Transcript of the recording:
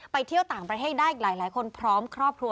เที่ยวต่างประเทศได้อีกหลายคนพร้อมครอบครัว